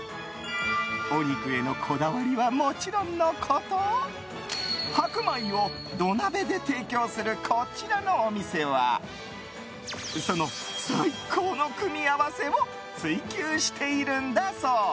お肉へのこだわりはもちろんのこと白米を土鍋で提供するこちらのお店はその最高の組み合わせを追求しているんだそう。